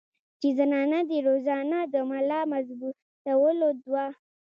چې زنانه دې روزانه د ملا مضبوطولو دوه